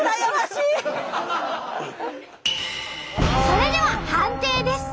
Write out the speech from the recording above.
それでは判定です。